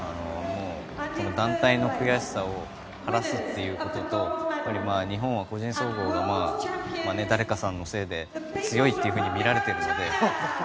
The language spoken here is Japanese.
団体の悔しさを晴らすということと日本は個人総合誰かさんのせいで強いとみられているので。